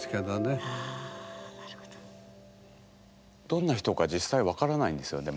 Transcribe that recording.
どんな人か実際分からないんですよね？